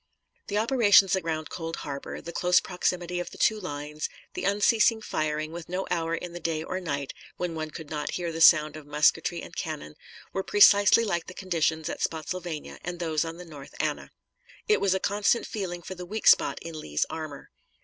The operations around Cold Harbor, the close proximity of the two lines, the unceasing firing, with no hour in the day or night when one could not hear the sound of musketry and cannon, were precisely like the conditions at Spottsylvania and those on the North Anna. It was a constant feeling for the weak spot in Lee's armor.